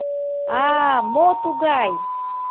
— А-а-а, мо тугай?